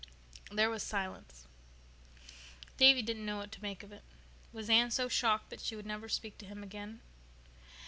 There was silence. Davy didn't know what to make of it. Was Anne so shocked that she never would speak to him again?